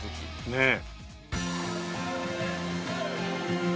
ねえ。